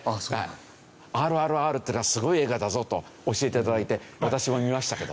『ＲＲＲ』っていうのはすごい映画だぞと教えて頂いて私も見ましたけど。